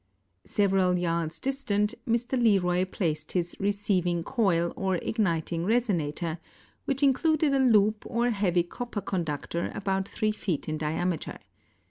Several yards distant, Mr. Leroy placed his receiving coil or igniting reso nator, which included a loop or heavy cop per conductor about three feet in diameter.